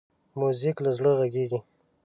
موزیک له زړه غږېږي.